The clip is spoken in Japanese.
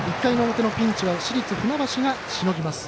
１回の表のピンチは市立船橋がしのぎます。